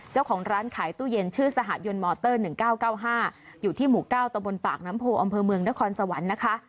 เจ้าของร้านขายตู้เย็นชื่อสหยนมอเตอร์๑๙๙๕อยู่ที่หมู่๙ตะบนปากน้ำโพอำเภอเมืองนครสวรรค์นะคะ